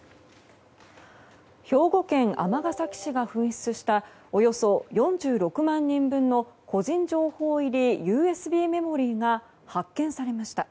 兵庫県尼崎市が紛失したおよそ４６万人分の個人情報入りＵＳＢメモリーが発見されました。